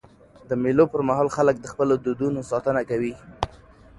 د مېلو پر مهال خلک د خپلو دودونو ساتنه کوي.